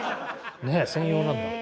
ねえ専用なんだ。